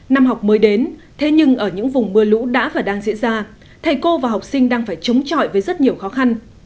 năm học mới đến thế nhưng ở những vùng mưa lũ đã và đang diễn ra thầy cô và học sinh đang phải chống chọi với rất nhiều khó khăn